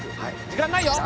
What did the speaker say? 時間ないよ。